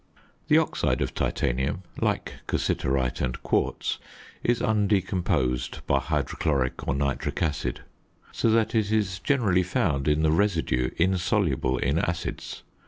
The oxide of titanium (like cassiterite and quartz) is undecomposed by hydrochloric or nitric acid; so that it is generally found in the residue insoluble in acids.